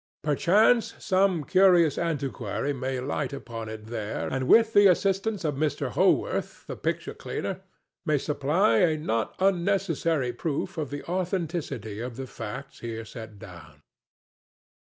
Perchance some curious antiquary may light upon it there, and, with the assistance of Mr. Howorth, the picture cleaner, may supply a not unnecessary proof of the authenticity of the facts here set down.